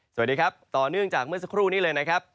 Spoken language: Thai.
สวัสดีครับต่อเนื่องจากเมื่อสักครู่นี้เลยนะครับ